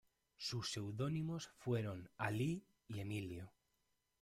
Sus seudónimos fueron "Alí" y "Emilio".